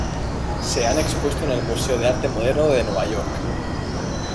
Se han expuesto en el Museo de Arte Moderno de Nueva York.